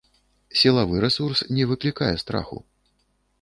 Сілавы рэсурс не выклікае страху.